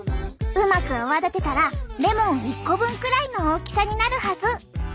うまく泡立てたらレモン１個分くらいの大きさになるはず。